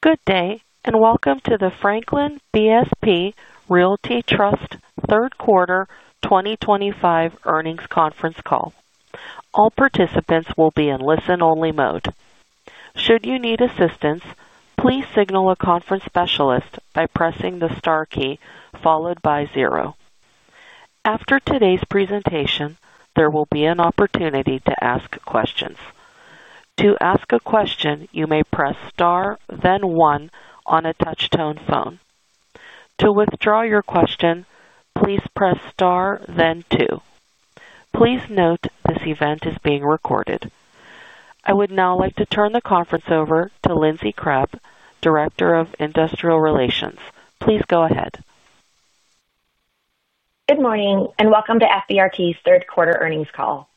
Good day and welcome to the Franklin BSP Realty Trust third quarter 2025 earnings conference call. All participants will be in listen-only mode. Should you need assistance, please signal a conference specialist by pressing the star key followed by zero. After today's presentation, there will be an opportunity to ask questions. To ask a question, you may press star then one on a touchtone phone. To withdraw your question, please press star then two. Please note this event is being recorded. I would now like to turn the conference over to Lindsey Crabbe, Director of Investor Relations. Please go ahead. Good morning and welcome to FBRT's third quarter earnings call.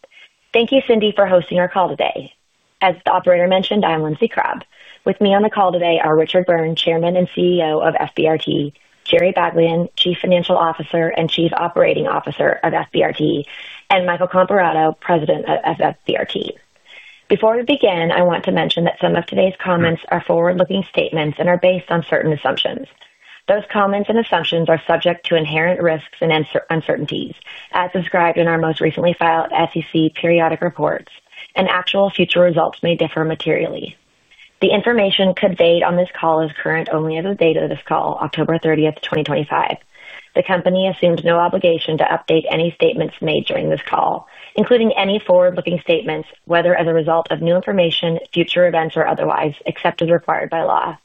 Thank you, Cindy, for hosting our call today. As the operator mentioned, I'm Lindsey Crabbe. With me on the call today are Richard Byrne, Chairman and CEO of FBRT, Jerome Baglien, Chief Financial Officer and Chief Operating Officer of FBRT, and Michael Comparato, President of FBRT. Before we begin, I want to mention that some of today's comments are forward-looking statements and are based on certain assumptions. Those comments and assumptions are subject to inherent risks and uncertainties as described in our most recently filed SEC periodic reports, and actual future results may differ materially. The information conveyed on this call is current only as of the dat8e of this call, October 30, 2025. The company assumes no obligation to update any statements made during this call, including any forward-looking statements, whether as a result of new information, future events, or otherwise, except as required by law.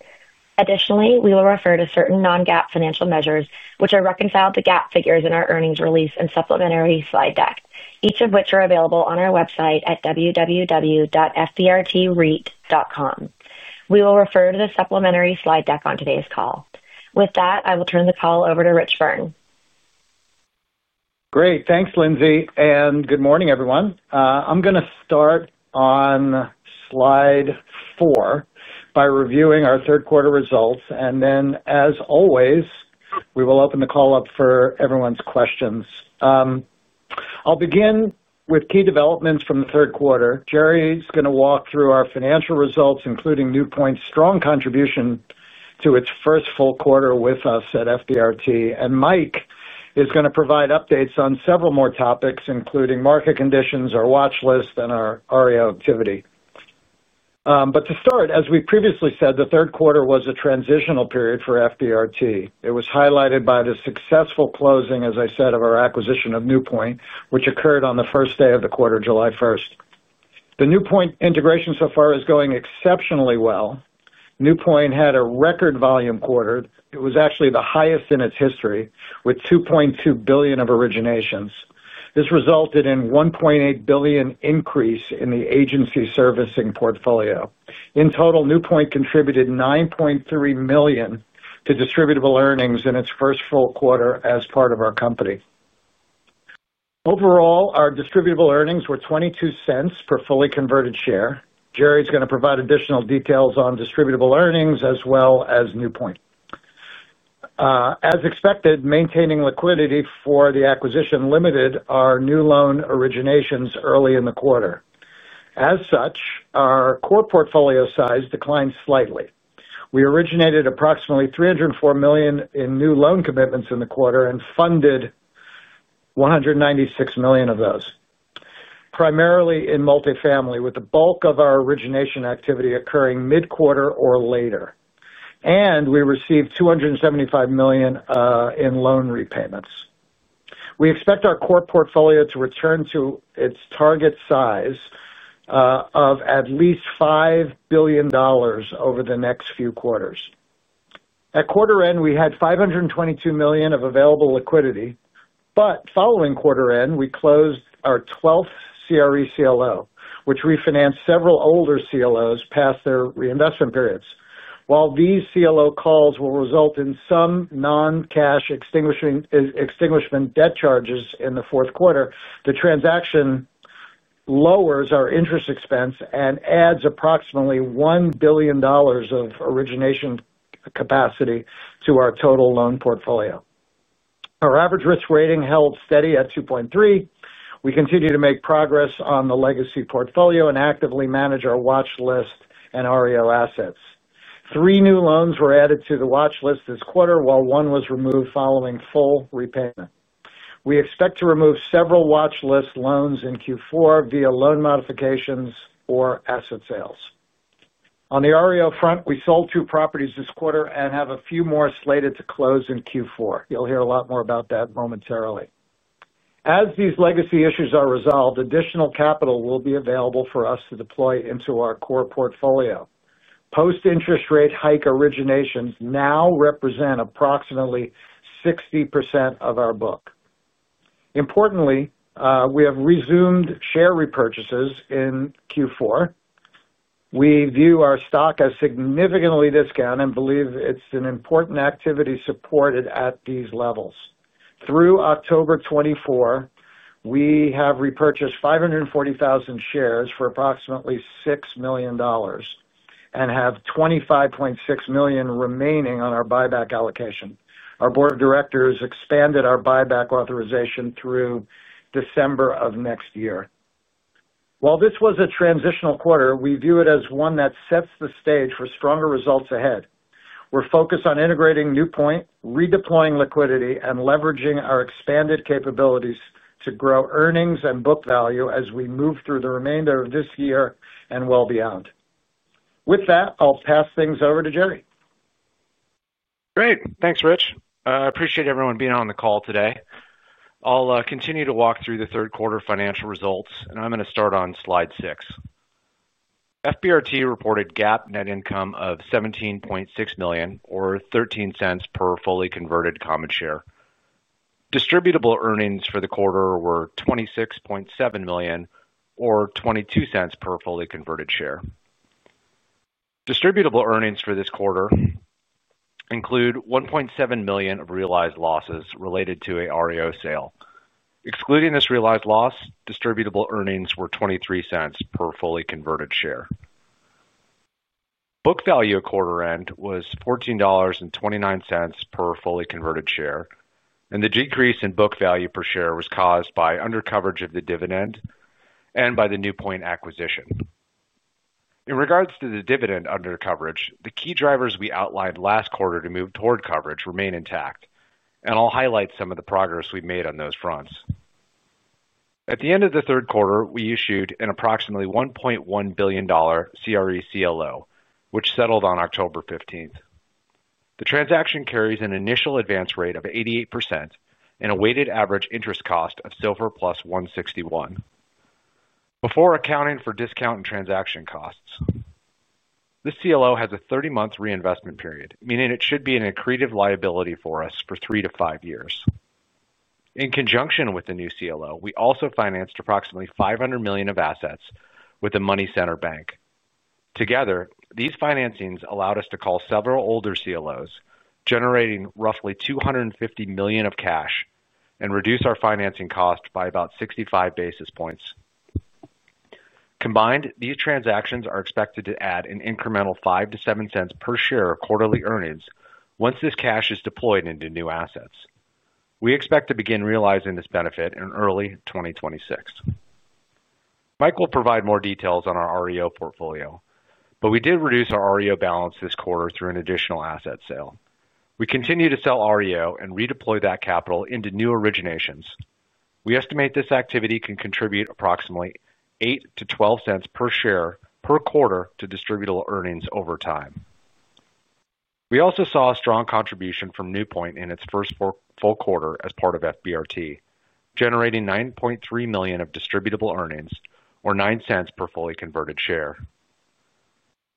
Additionally, we will refer to certain non-GAAP financial measures which are reconciled to GAAP figures in our earnings release and supplementary slide deck, each of which are available on our website at www.fbrtreit.com. We will refer to the supplementary slide deck on today's call. With that, I will turn the call over to Richard Byrne. Great. Thanks Lindsey and good morning everyone. I'm going to start on slide four by reviewing our third quarter results, and then, as always, we will open the call up for everyone's questions. I'll begin with key developments from the third quarter. Jerry's going to walk through our financial results, including NewPoint's strong contribution to its first full quarter with us at FBRT. Mike is going to provide updates on several more topics including market conditions, our watch list, and our REO activity. To start, as we previously said, the third quarter was a transitional period for FBRT. It was highlighted by the successful closing, as I said, of our acquisition of NewPoint, which occurred on the first day of the quarter, July 1st. The NewPoint integration so far is going exceptionally well. NewPoint had a record volume quarter. It was actually the highest in its history with $2.2 billion of originations. This resulted in a $1.8 billion increase in the agency servicing portfolio. In total, NewPoint contributed $9.3 million to distributable earnings in its first full quarter as part of our company. Overall, our distributable earnings were $0.22 per fully converted shareholders. Jerry's going to provide additional details on distributable earnings as well as NewPoint. As expected, maintaining liquidity for the acquisition limited our new loan originations early in the quarter. As such, our core portfolio size declined slightly. We originated approximately $304 million in new loan commitments in the quarter and funded $196 million of those, primarily in multifamily, with the bulk of our origination activity occurring mid quarter or later. We received $275 million in loan repayments. We expect our core portfolio to return to its target size of at least $5 billion over the next few quarters. At quarter end, we had $522 million of available liquidity. Following quarter end, we closed our 12th CRE CLO, which refinanced several older closing their reinvestment periods. While these CLO calls will result in some non-cash extinguishment debt charges in the fourth quarter, the transaction lowers our interest expense and adds approximately $1 billion of origination capacity to our total loan portfolio. Our average risk rating held steady at 2.3. We continue to make progress on the legacy portfolio and actively manage our watch list and REO assets. Three new loans were added to the watch list this quarter, while one was removed following full repayment. We expect to remove several watch list loans in Q4 via loan modifications or asset sales. On the REO front, we sold two properties this quarter and have a few more slated to close in Q4. You'll hear a lot more about that momentarily. As these legacy issues are resolved, additional capital will be available for us to deploy into our core portfolio. Post interest rate hike, originations now represent approximately 60% of our book. Importantly, we have resumed share repurchases in Q4. We view our stock as significantly discounted and believe it's an important activity supported at these levels. Through October 24, we have repurchased 540,000 shares for approximately $6 million and have $25.6 million remaining on our buyback allocation. Our Board of Directors expanded our buyback authorization through December of next year. While this was a transitional quarter, we view it as one that sets the stage for stronger results ahead. We're focused on integrating NewPoint, redeploying liquidity, and leveraging our expanded capabilities to grow earnings and book value as we move through the remainder of this year and well beyond. With that, I'll pass things over to Jerry. Great. Thanks, Rich. I appreciate everyone being on the call today. I'll continue to walk through the third quarter financial results, and I'm going to start on slide six. FBRT reported GAAP net income of $17.6 million, or $0.13 per fully converted common share. Distributable earnings for the quarter were $26.7 million, or $0.22 per fully converted share. Distributable earnings for this quarter include $1.7 million of realized losses related to a REO sale. Excluding this realized loss, distributable earnings were $0.23 per fully converted share. Book value at quarter end was $14.29 per fully converted share, and the decrease in book value per share was caused by undercoverage of the dividend and by the NewPoint acquisition. In regards to the dividend undercoverage, the key drivers we outlined last quarter to move toward coverage remain intact, and I'll highlight some of the progress we've made on those fronts. At the end of the third quarter, we issued an approximately $1.1 billion CRE CLO, which settled on October 15th. The transaction carries an initial advance rate of 88% and a weighted average interest cost of SOFR +161. Before accounting for discount and transaction costs, this CLO has a 30-month reinvestment period, meaning it should be an accretive liability for us for 3-5 years. In conjunction with the new CLO, we also financed approximately $500 million of assets with the Money Center Bank. Together, these financings allowed us to call several older CLOs, generating roughly $250 million of cash and reduce our financing cost by about 65 basis points. Combined, these transactions are expected to add an incremental $0.05-$0.07 per share of quarterly earnings. Once this cash is deployed into new assets, we expect to begin realizing this benefit in early 2026. Mike will provide more details on our REO portfolio, but we did reduce our REO balance this quarter through an additional asset sale. We continue to sell REO and redeploy that capital into new originations. We estimate this activity can contribute approximately $0.08-$0.12 per share per quarter to distributable earnings over time. We also saw a strong contribution from NewPoint in its first full quarter as part of FBRT, generating $9.3 million of distributable earnings or $0.09 per fully converted share.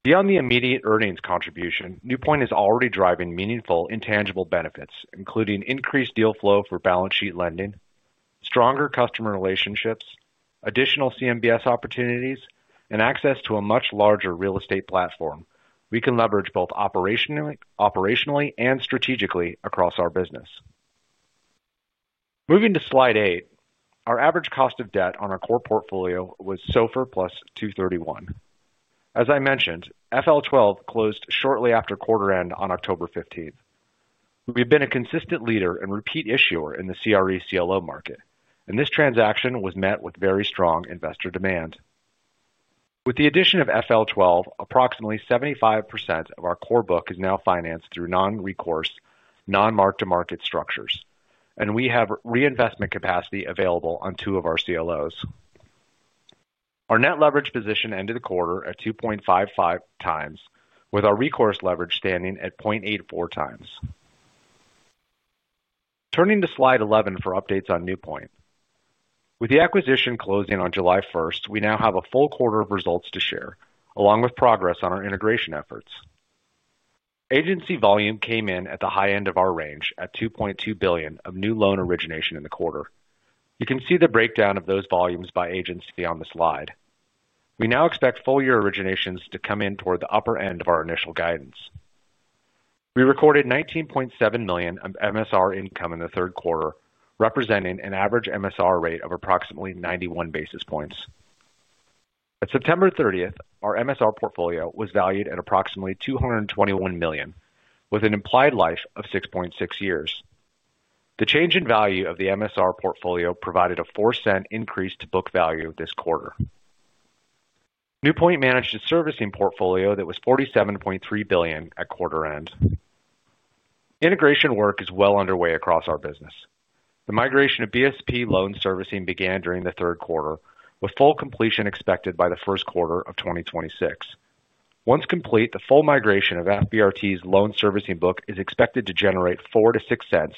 Beyond the immediate earnings contribution, NewPoint is already driving meaningful intangible benefits including increased deal flow for balance sheet lending, stronger customer relationships, additional CMBS opportunities, and access to a much larger real estate platform we can leverage both operationally and strategically across our business. Moving to slide eight, our average cost of debt on our core portfolio was SOFR +231. As I mentioned, FL12 closed shortly after quarter end on October 15. We've been a consistent leader and repeat issuer in the CRE CLO market, and this transaction was met with very strong investor demand with the addition of FL12. Approximately 75% of our core book is now financed through non-recourse, non-mark-to-market structures, and we have reinvestment capacity available on 2 of our CLOs. Our net leverage position ended the quarter at 2.55x, with our recourse leverage standing at 0.84x. Turning to slide 11 for updates on NewPoint. With the acquisition closing on July 1st, we now have a full quarter of results to share along with progress on our integration efforts. Agency volume came in at the high end of our range at $2.2 billion of new loan origination in the quarter. You can see the breakdown of those volumes by agency on the slide. We now expect full year originations to come in toward the upper end of our initial guidance. We recorded $19.7 million of MSR income in the third quarter, representing an average MSR rate of approximately 91 basis points. At September 30, our MSR portfolio was valued at approximately $221 million with an implied life of 6.6 years. The change in value of the MSR portfolio provided a $0.04 increase to book value this quarter. NewPoint managed a servicing portfolio that was $47.3 billion at quarter end. Integration work is well underway across our business. The migration of BSP loan servicing began during the third quarter with full completion expected by the first quarter of 2026. Once complete, the full migration of FBRT's loan servicing book is expected to generate $0.04-$0.06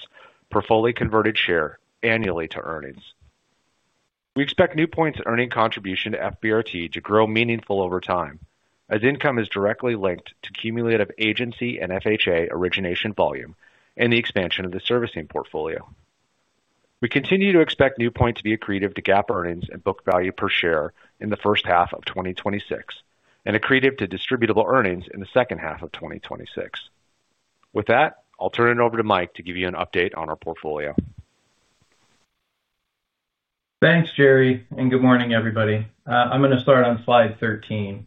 per fully converted share annually to earnings. We expect NewPoint's earning contribution to FBRT to grow meaningfully over time as income is directly linked to cumulative agency and FHA origination volume and the expansion of the servicing portfolio. We continue to expect NewPoint to be accretive to GAAP earnings and book value per share in the first half of 2026 and accretive to distributable earnings in the second half of 2026. With that, I'll turn it over to Mike to give you an update on our portfolio. Thanks, Jerry and good morning everybody. I'm going to start on slide 13.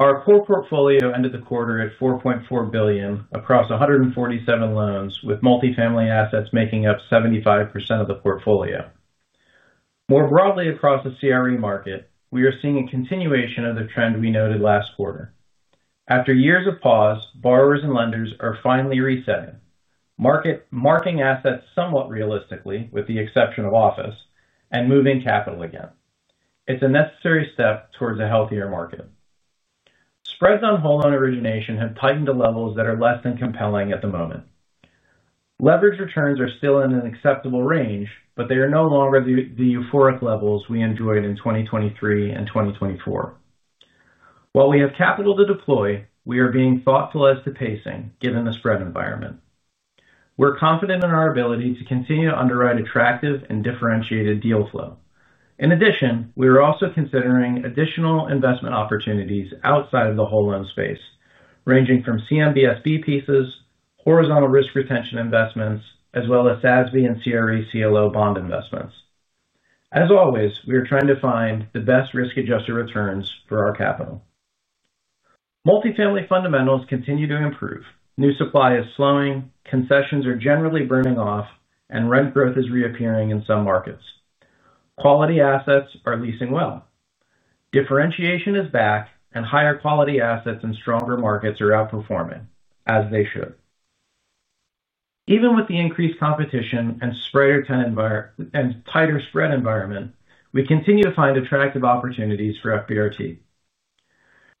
Our core portfolio ended the quarter at $4.4 billion across 147 loans, with multifamily assets making up 75% of the portfolio. More broadly, across the CRE market, we are seeing a continuation of the trend we noted last quarter. After years of pause, borrowers and lenders are finally resetting, marking assets somewhat realistically with the exception of office and moving capital again. It's a necessary step towards a healthier market. Spreads on hold on origination have tightened to levels that are less than compelling at the moment. Leverage returns are still in an acceptable range, but they are no longer the euphoric levels we enjoyed in 2023 and 2024. While we have capital to deploy, we are being thoughtful as to pacing. Given the spread environment, we're confident in our ability to continue to underwrite attractive and differentiated deal flow. In addition, we are also considering additional investment opportunities outside of the whole loan space, ranging from CMBS B-pieces, Horizontal Risk retention investments as well as SASB and CRE CLO bond investments. As always, we are trying to find the best risk adjusted returns for our capital. Multifamily fundamentals continue to improve, new supply is slowing, concessions are generally burning off and rent growth is reappearing. In some markets, quality assets are leasing well, differentiation is back and higher quality assets and stronger markets are outperforming as they should. Even with the increased competition and tighter spread environment, we continue to find attractive opportunities for FBRT.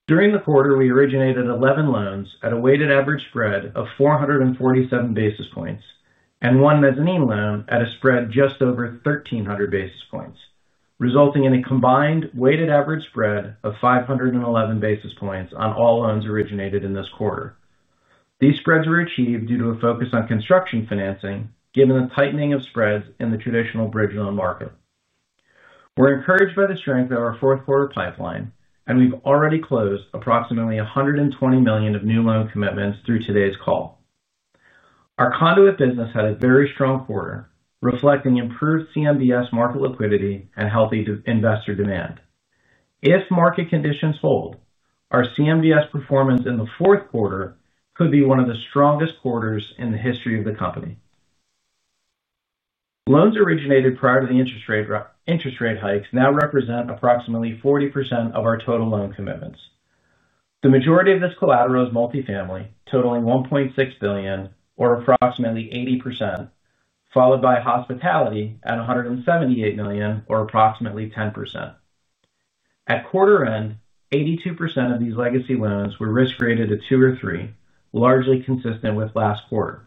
During the quarter, we originated 11 loans at a weighted average spread of 447 basis points and one mezzanine loan at a spread just over 1,300 basis points, resulting in a combined weighted average spread of 511 basis points on all loans originated in this quarter. These spreads were achieved due to a focus on construction financing. Given the tightening of spreads in the traditional bridge loan market, we're encouraged by the strength of our fourth quarter pipeline and we've already closed approximately $120 million of new loan commitments through today's call. Our conduit business had a very strong quarter, reflecting improved CMBS market liquidity and healthy investor demand. If market conditions hold, our CMBS performance in the fourth quarter could be one of the strongest quarters in the history of the company. Loans originated prior to the interest rate hikes now represent approximately 40% of our total loan commitments. The majority of this collateral is multifamily, totaling $1.6 billion or approximately 80%, followed by hospitality at $178 million or approximately 10%. At quarter end, 82% of these legacy loans were risk rated at 2 or 3, largely consistent with last quarter.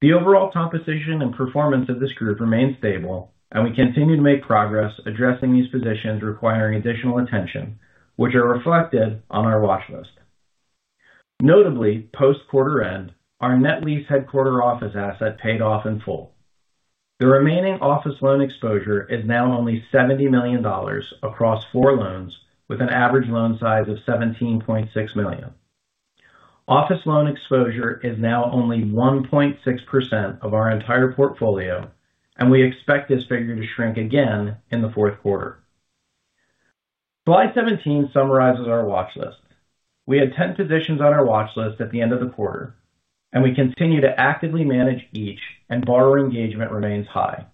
The overall composition and performance of this group remains stable, and we continue to make progress addressing these positions requiring additional attention, which are reflected on our watch list. Notably, post quarter end, our net lease headquarter office asset paid off in full. The remaining office loan exposure is now only $70 million across four loans with an average loan size of $17.6 million. Office loan exposure is now only 1.6% of our entire portfolio, and we expect this figure to shrink again in the fourth quarter. Slide 17 summarizes our watch list. We had 10 positions on our watch list at the end of the quarter, and we continue to actively manage each, and borrower engagement remains high.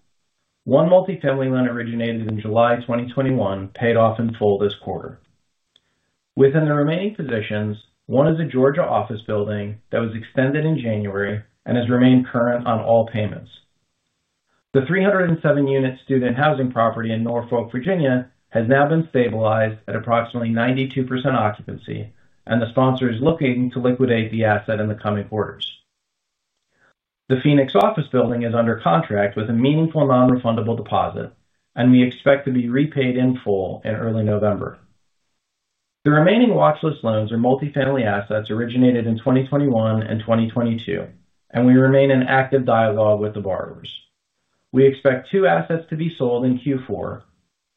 One multifamily loan originated in July 2021 paid off in full this quarter. Within the remaining positions, one is a Georgia office building that was extended in January and has remained current on all payments. The 307-unit student housing property in Norfolk, Virginia has now been stabilized at approximately 92% occupancy, and the sponsor is looking to liquidate the asset in the coming quarters. The Phoenix office building is under contract with a meaningful non-refundable deposit, and we expect to be repaid in full in early November. The remaining watch list loans are multifamily assets originated in 2021 and 2022, and we remain in active dialogue with the borrowers. We expect two assets to be sold in Q4.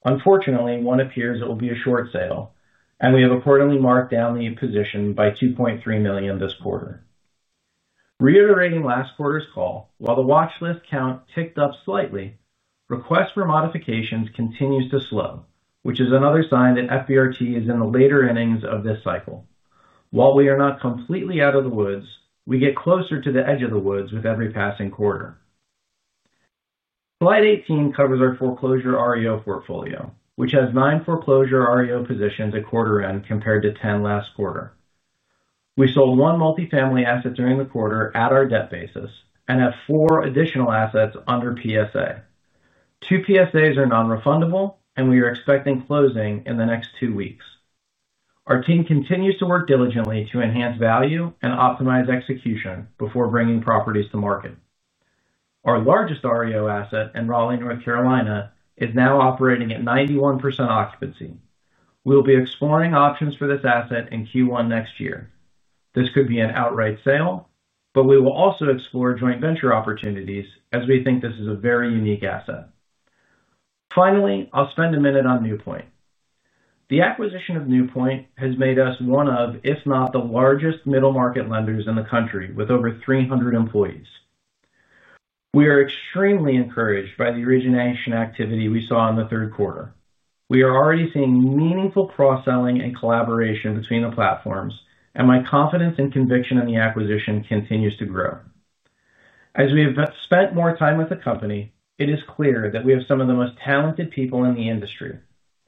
Unfortunately, one appears it will be a short sale, and we have accordingly marked down the position by $2.3 million this quarter, reiterating last quarter's call. While the watch list count ticked up slightly, requests for modifications continue to slow, which is another sign that FBRT is in the later innings of this cycle. While we are not completely out of the woods, we get closer to the edge of the woods with every passing quarter. Slide 18 covers our foreclosure REO portfolio, which has nine foreclosure REO positions at quarter end compared to 10 last quarter. We sold one multifamily asset during the quarter at our debt basis and have four additional assets under PSA. Two PSAs are non-refundable and we are expecting closing in the next two weeks. Our team continues to work diligently to enhance value and optimize execution before bringing properties to market. Our largest REO asset in Raleigh, North Carolina is now operating at 91% occupancy. We will be exploring options for this asset in Q1 next year. This could be an outright sale, but we will also explore joint venture opportunities as we think this is a very unique asset. Finally, I'll spend a minute on NewPoint. The acquisition of NewPoint has made us one of, if not the largest, middle market lenders in the country, with over 300 employees. We are extremely encouraged by the origination activity we saw in the third quarter. We are already seeing meaningful cross-selling and collaboration between the platforms, and my confidence and conviction in the acquisition continues to grow as we have spent more time with the company. It is clear that we have some of the most talented people in the industry,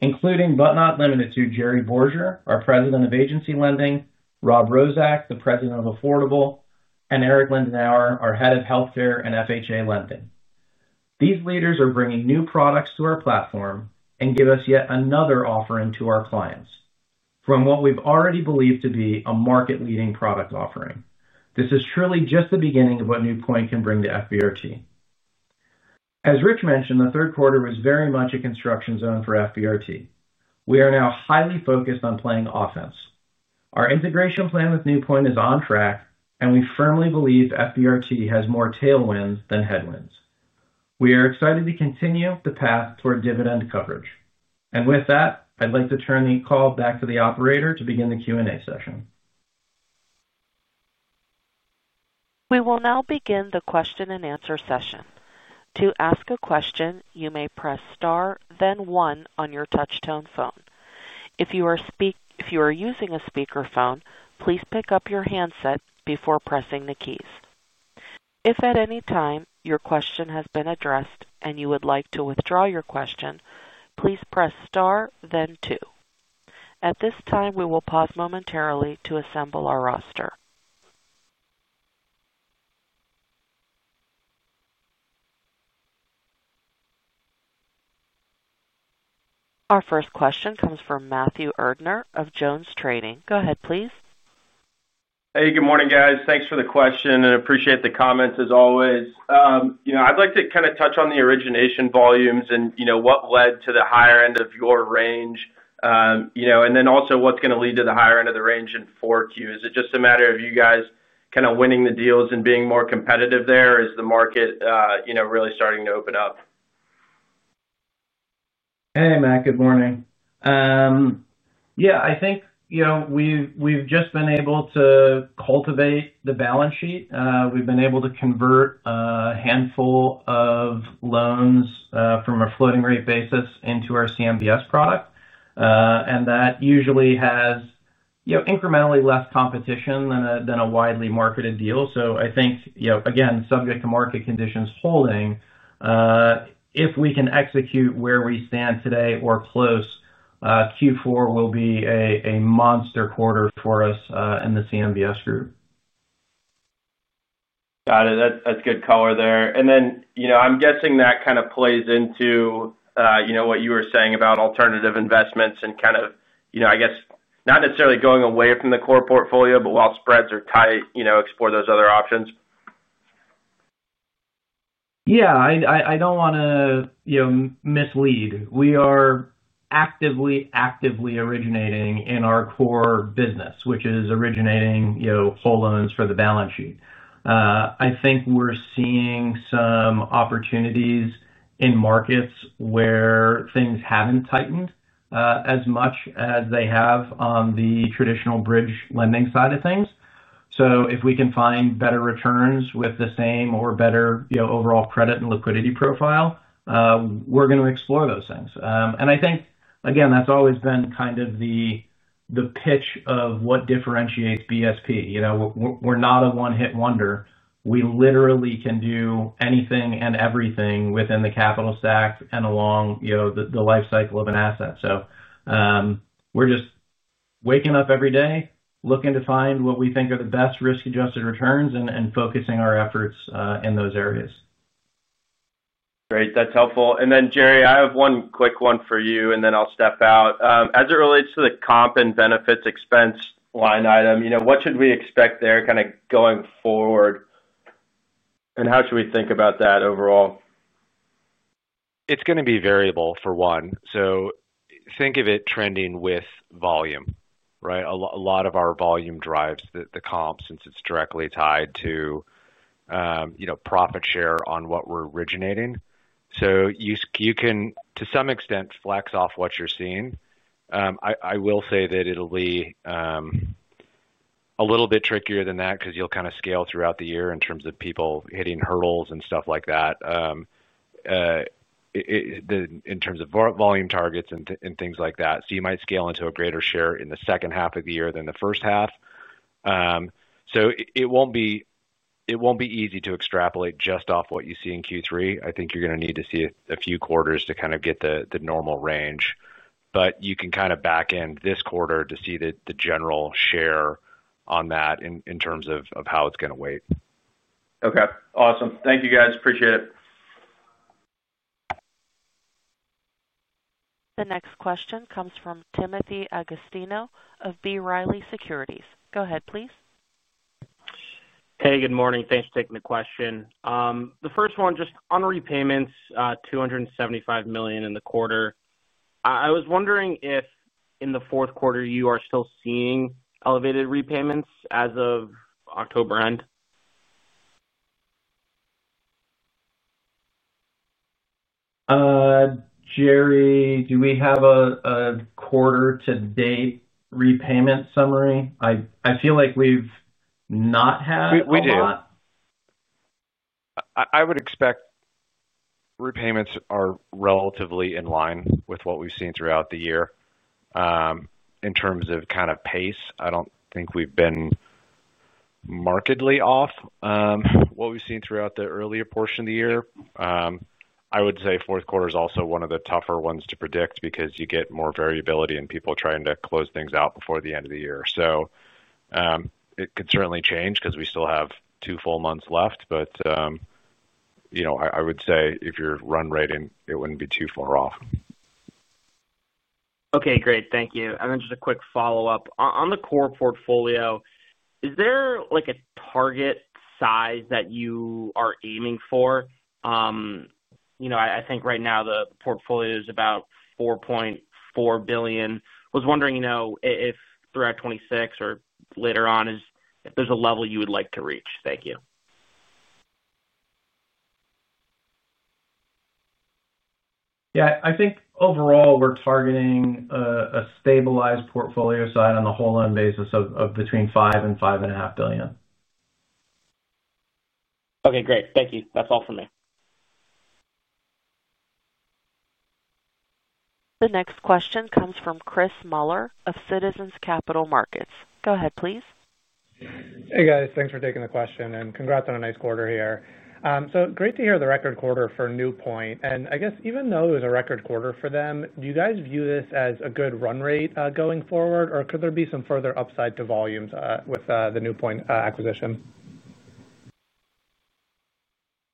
including but not limited to Jerry Borger, our President of Agency Lending, Rob Roszak, the President of Affordable, and Erik Lindenauer, our Head of Healthcare and FHA Lending. These leaders are bringing new products to our platform and give us yet another offering to our clients from what we've already believed to be a market-leading product offering. This is truly just the beginning of what NewPoint can bring to FBRT. As Rich mentioned, the third quarter was very much a construction zone for FBRT. We are now highly focused on playing offense. Our integration plan with NewPoint is on track and we firmly believe FBRT has more tailwinds than headwinds. We are excited to continue the path toward dividend coverage, and with that I'd like to turn the call back to the operator to begin the Q&A session. We will now begin the Question and Answer session. To ask a question, you may press Star then one on your touchtone phone if you are speaking. If you are using a speakerphone, please pick up your handset before pressing the keys. If at any time your question has been addressed and you would like to withdraw your question, please press Star then two. At this time, we will pause momentarily to assemble our roster. Our first question comes from Matthew Erdner of JonesTrading. Go ahead please. Hey, good morning guys. Thanks for the question and appreciate the comments as always. I'd like to kind of touch on the origination volumes and what led to the higher end of your range, and then also what's going to lead to the higher end of the range in 4Q. Is it just a matter of you guys kind of winning the deals and being more competitive there? Is the market really starting to open up? Hey Matt, good morning. I think we've just been able to cultivate the balance sheet. We've been able to convert a handful of loans from a floating rate basis into our CMBS product. That usually has incrementally less competition than a widely marketed deal. I think, again, subject to market conditions, holding, if we can execute where we stand today or close, Q4 will be a monster quarter for us in the CMBS group. Got it. That's good color there. I am guessing that kind of plays into what you were saying about alternative investments and kind of, I guess not necessarily going away from the core portfolio, but while spreads are tight, explore those other options. Yeah, I don't want to mislead. We are actively, actively originating in our core business, which is originating whole loans for the balance sheet. I think we're seeing some opportunities in markets where things haven't tightened as much as they have on the traditional bridge lending side of things. If we can find better returns with the same or better overall credit and liquidity profile, we're going to explore those things. I think again, that's always been kind of the pitch of what differentiates BSP. We're not a one hit wonder. We literally can do anything and everything within the capital stack and along the life cycle of an asset. We're just waking up every day looking to find what we think are the best risk adjusted returns and focusing our efforts in those areas. Great, that's helpful. Jerry, I have one quick one for you and then I'll step out as it relates to the comp and benefits expense line item. What should we expect there? Kind of going forward, how should. We think about that overall? It's going to be variable for one, so think of it trending with volume. Right. A lot of our volume drives the comp since it's directly tied to profit share on what we're originating. You can to some extent flex off what you're seeing. I will say that it'll be. A little bit trickier than that because you'll kind of scale throughout the year in terms of people hitting hurdles and stuff like that in terms of volume targets and things like that. You might scale into a greater share in the second half of the year than the first half. It won't be easy to extrapolate just off what you see in Q3. I think you're going to need to see a few quarters to kind of get the normal range, but you can kind of back in this quarter to see the general share on that in terms of how it's going to weight. Okay, awesome. Thank you, guys. Appreciate it. The next question comes from Timothy D'Agostino of B. Riley Securities, go ahead please. Hey, good morning. Thanks for taking the question. The first one just on repayments. $275 million in the quarter. I was wondering if in the fourth quarter you are still seeing elevated repayments as of October end. Jerry, do we have a quarter-to-date repayment summary? I feel like we've not had a lot. I would expect repayments are relatively in line with what we've seen throughout the year. In terms of kind of pace, I don't think we've been markedly off what we've seen throughout the earlier portion of the year. I would say fourth quarter is also one of the tougher ones to predict because you get more variability in people trying to close things out before the end of the year. It could certainly change because we still have two full months left. I would say if you're run rating, it wouldn't be too far off. Okay, great. Thank you. Just a quick follow up on the core portfolio. Is there a target size that you are aiming for? I think right now the portfolio is about $4.4 billion. Was wondering if throughout 2026 or later on if there's a level you would like to reach. Thank you. I think overall we're targeting a stabilized portfolio size on the whole loan basis of between $5 billion and $5.5 billion. Okay, great. Thank you. That's all for me. The next question comes from Chris Muller of Citizens Capital Markets. Go ahead, please. Hey guys, thanks for taking the question and congrats on a nice quarter here. Great to hear the record quarter for NewPoint, and I guess even though it was a record quarter for them, do you guys view this as a good run rate going forward or could there be some further upside to volumes with the NewPoint acquisition?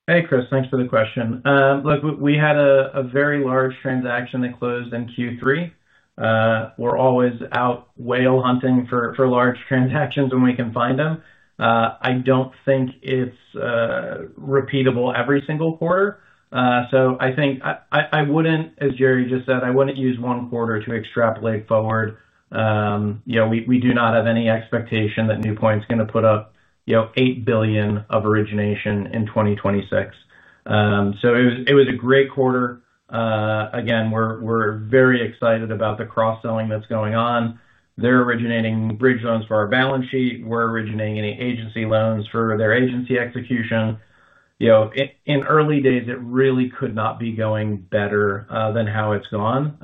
Hey Chris, thanks for the question. Look, we had a very large transaction that closed in Q3. We're always out whale hunting for large transactions when we can find them. I don't think it's repeatable every single quarter. I wouldn't, as Jerry just said, use one quarter to extrapolate forward. We do not have any expectation that NewPoint's going to put up $8 billion of origination in 2026. It was a great quarter. We're very excited about the cross selling that's going on. They're originating bridge loans for our balance sheet. We're originating any agency loans for their agency execution in early days. It really could not be going better than how it's gone.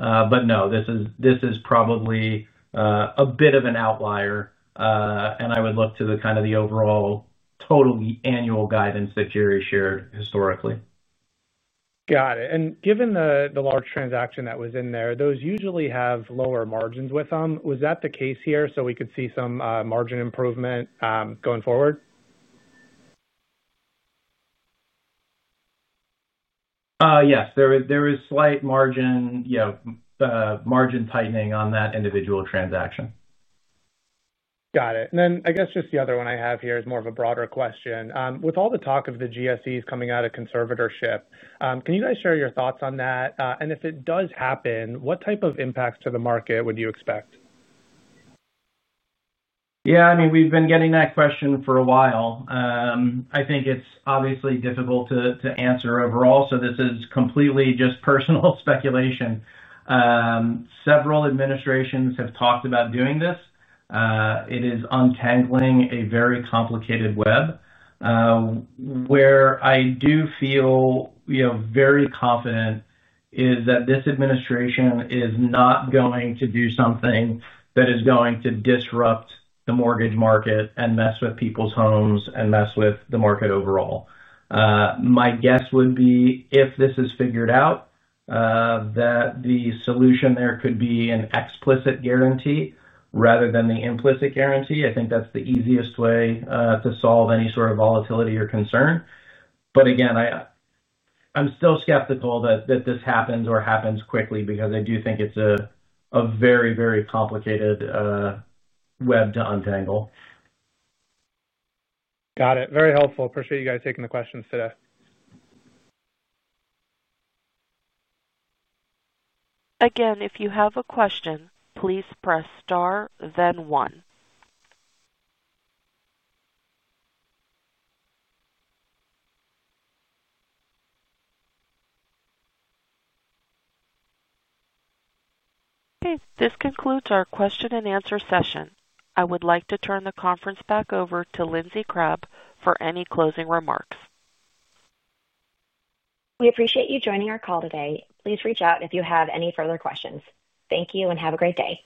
This is probably a bit of an outlier. I would look to the overall total annual guidance that Jerry shared historically. Got it. Given the large transaction that was in there, those usually have lower margins with them. Was that the case here? Could we see some margin improvement going forward? Yes, there is slight margin tightening on that individual transaction. Got it. I guess just the other one I have here is more of a broader question. With all the talk of the GSEs coming out of conservatorship, can you guys share your thoughts on that? If it does happen, what type of impacts to the market would you expect? Yeah, I mean, we've been getting that question for a while, I think. It's obviously difficult to answer overall. This is completely just personal speculation. Several administrations have talked about doing this. It is untangling a very complicated web. Where I do feel very confident is that this administration is not going to do something that is going to disrupt the mortgage market and mess with people's homes and mess with the market overall. My guess would be if this is figured out, the solution there could be an explicit guarantee rather than the implicit guarantee. I think that's the easiest way to solve any sort of volatility or concern. Again, I'm still skeptical that this happens or happens quickly because I do think it's a very, very complicated web to untangle. Got it. Very helpful. Appreciate you guys taking the questions today. Again, if you have a question, please press star then one. Okay, this concludes our question and answer session. I would like to turn the conference back over to Lindsey Crabbe for any closing remarks. We appreciate you joining our call today. Please reach out if you have any further questions. Thank you, and have a great day.